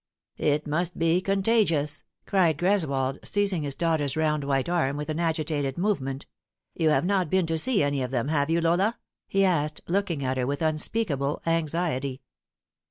" It must be contagious," cried Greswold, seizing his daughter's round white arm with an agitated movement. " You have not been to see any of them, have you, Lola ?" he asked, looking at her with unspeakable anxiety.